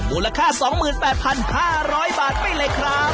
มูลค่า๒๘๕๐๐บาทไปเลยครับ